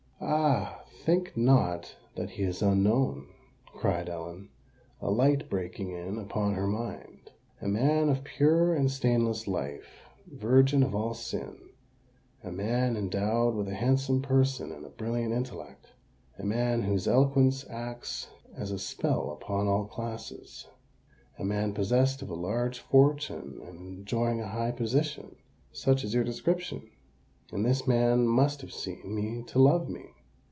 "Ah! think not that he is unknown," cried Ellen, a light breaking in upon her mind: "a man of pure and stainless life, virgin of all sin,—a man endowed with a handsome person, and a brilliant intellect,—a man whose eloquence acts as a spell upon all classes,—a man possessed of a large fortune and enjoying a high position,—such is your description! And this man must have seen me to love me!